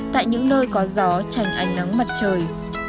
tại những nơi có gió tranh ánh nắng mặt trời